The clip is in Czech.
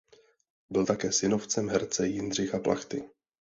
Byl také synovcem herce Jindřicha Plachty.